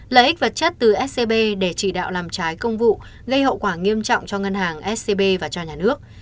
lợi ích vật chất từ scb để chỉ đạo làm trái công vụ gây hậu quả nghiêm trọng cho ngân hàng scb và cho nhà nước